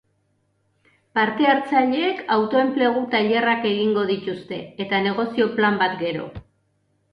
Parte-hartzaileek autoenplegu tailerrak egingo dituzte, eta negozio plan bat gero.